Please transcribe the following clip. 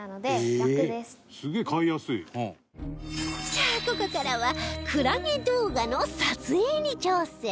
さあここからはクラゲ動画の撮影に挑戦